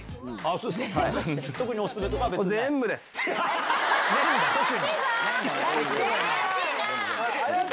そうですか。